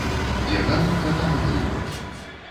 Дзе галубка, там і галубок!